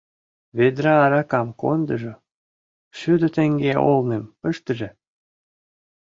Ведра аракам кондыжо, шӱдӧ теҥге олным пыштыже!